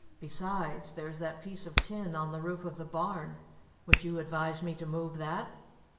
"Besides, there's that piece of tin on the roof of the barn. Would you advise me to move that?"